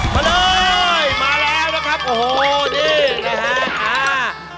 มาเลยมาแล้วนะครับโอ้โหนี่นะฮะอ่า